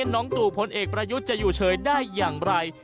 ตู่พลเอกประยุทธ์จะอยู่เฉยได้อย่างไร